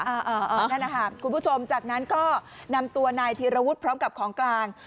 อันนั้นนะคะคุณผู้ชมจากนั้นก็นำตัวนายธีรวุฒิพร้อมกับของกลาง